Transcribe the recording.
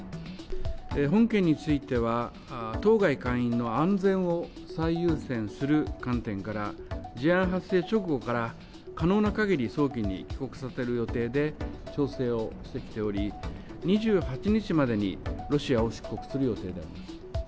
本件については、当該館員の安全を最優先する観点から、事案発生直後から、可能なかぎり早期に帰国させる予定で調整をしてきており、２８日までに、ロシアを出国する予定であります。